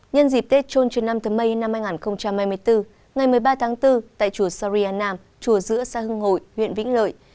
nhân dịp tết trôn trưa năm tháng mây năm hai nghìn hai mươi bốn ngày một mươi ba tháng bốn tại chùa saurianam chùa giữa sa hưng hội huyện vĩnh lợi